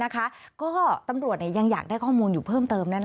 ก็ตำรวจยังอยากได้ข้อมูลอยู่เพิ่มเติม